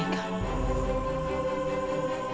aku harus mengetik